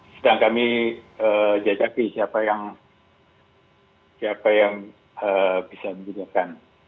sedang kami jajaki siapa yang bisa menggunakan